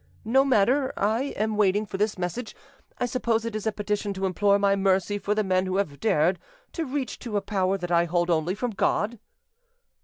No matter, I am waiting for this message: I suppose it is a petition to implore my mercy for the men who have dared to reach to a power that I hold only from God."